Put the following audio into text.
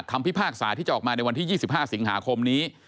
พิพากษาที่จะออกมาในวันที่๒๕สิงหาคมนี้